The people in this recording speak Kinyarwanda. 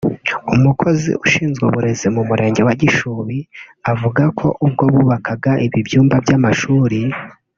umukozi ushinzwe uburezi mu murenge wa Gishubi avuga ko ubwo bubakaga ibi byumba by’amashuri